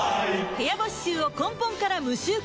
部屋干し臭を根本から無臭化